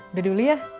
udah dulu ya